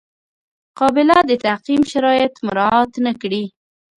قابله د تعقیم شرایط مراعات نه کړي.